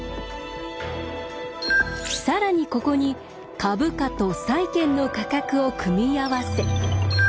更にここに株価と債券の価格を組み合わせ